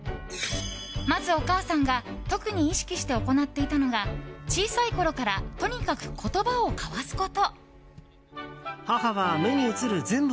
まず、お母さんが特に意識して行っていたのが小さいころからとにかく言葉を交わすこと。